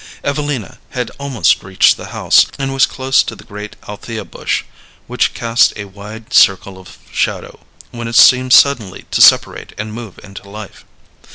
Evelina had almost reached the house, and was close to the great althea bush, which cast a wide circle of shadow, when it seemed suddenly to separate and move into life.